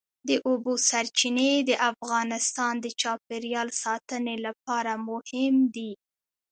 د اوبو سرچینې د افغانستان د چاپیریال ساتنې لپاره مهم دي.